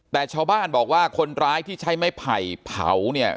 แต่ชาวบ้านบอกว่าคนร้ายที่ใช้ไม้ไผ่เผาเนี่ย